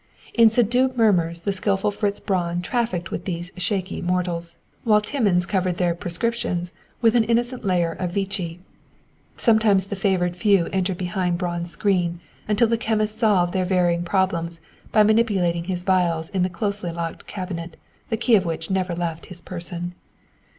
In subdued murmurs the skilful Fritz Braun trafficked with these "shaky" mortals, while Timmins covered their "prescriptions" with an innocent layer of Vichy. Sometimes the favored few entered behind Braun's screen, until the chemist solved their varying problems by manipulating his vials in the closely locked cabinet, the key of which never left his person.